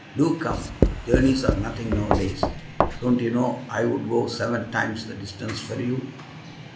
Do come. Journeys are nothing nowadays. Don't you know I would go seven times the distance for you?